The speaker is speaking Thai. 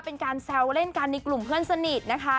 เป็นการแซวเล่นกันในกลุ่มเพื่อนสนิทนะคะ